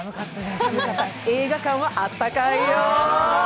映画館はあったかいよ。